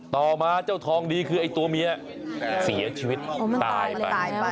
ต่อมาเจ้าทองดีคือไอ้ตัวเมียเสียชีวิตตายไป